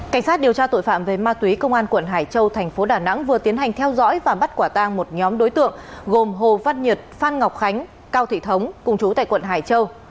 cảnh sát điều tra tội phạm về ma túy công an quận hải châu thành phố đà nẵng vừa tiến hành theo dõi và bắt quả tang một nhóm đối tượng gồm hồ văn nhật phan ngọc khánh cao thị thống cùng chú tại quận hải châu